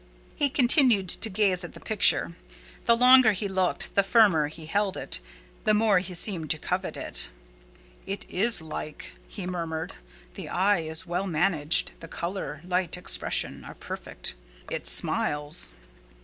He continued to gaze at the picture: the longer he looked, the firmer he held it, the more he seemed to covet it. "It is like!" he murmured; "the eye is well managed: the colour, light, expression, are perfect. It smiles!"